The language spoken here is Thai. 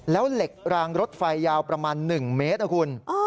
แล้วเหล็กรางรถไฟยาวประมาณ๑เมตรนะคุณ